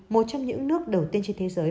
một trong những nước đầu tiên trên thế giới